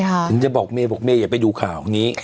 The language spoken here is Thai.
ถึงจะบอกเมย์บอกเมย์อย่าไปดูข่าวนี้